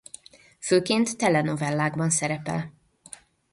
Főként telenovellákban szerepel.